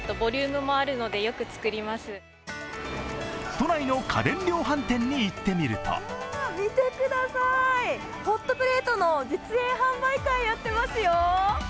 都内の家電量販店に行ってみると見てください、ホットプレートの実演販売会をやっていますよ。